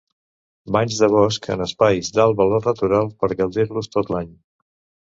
Banys de Bosc en espais d'alt valor natural per gaudir-los tot l'any.